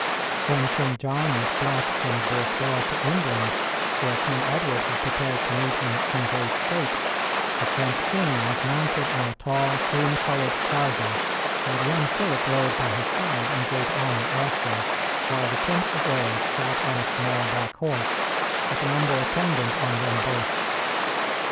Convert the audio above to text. When King John was brought from Bordeaux to England, where King Edward had prepared to meet him in great state, the French king was mounted on a tall, cream colored charger, and young Philip rode by his side in great honor also, while the Prince of Wales sat on a small black horse, like an humble attendant on them both.